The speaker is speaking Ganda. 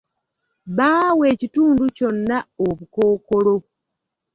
Baawa ekitundu kyonna obukookolo.